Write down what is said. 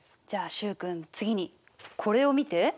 じゃあ習君次にこれを見て。